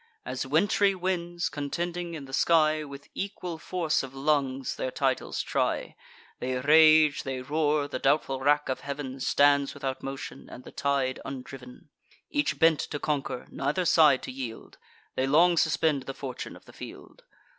As wintry winds, contending in the sky, With equal force of lungs their titles try: They rage, they roar; the doubtful rack of heav'n Stands without motion, and the tide undriv'n: Each bent to conquer, neither side to yield, They long suspend the fortune of the field.